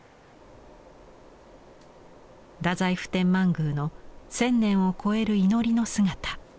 太宰府天満宮の千年を超える祈りの姿。